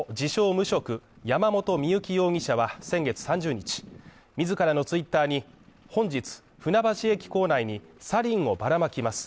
無職山本深雪容疑者は先月３０日、自らのツイッターに本日、船橋駅構内にサリンをばらまきます。